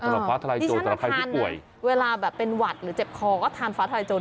ฟ้าทลายโจรสำหรับใครที่ป่วยเวลาแบบเป็นหวัดหรือเจ็บคอก็ทานฟ้าทลายโจร